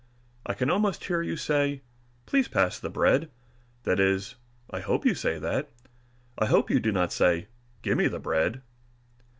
I can almost hear you say, "Please pass the bread." That is, I hope you say that. I hope you do not say, "Gimme the bread."